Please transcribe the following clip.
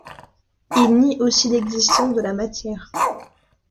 Il nie aussi l'existence de la matière.